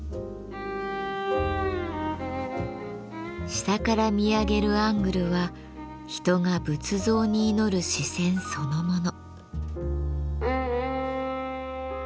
下から見上げるアングルは人が仏像に祈る視線そのもの。